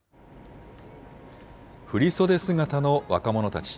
振り袖姿の若者たち。